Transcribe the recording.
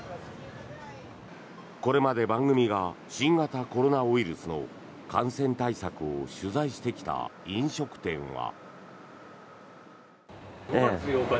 これまで番組が新型コロナウイルスの感染対策を取材してきた飲食店は。